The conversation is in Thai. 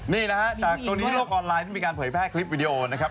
นี่นะฮะจากตรงนี้โลกออนไลน์นั้นมีการเผยแพร่คลิปวิดีโอนะครับ